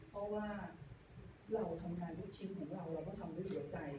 เพราะว่าเราทำงานทุกชิ้นของเราเราก็ทำด้วยหัวใจ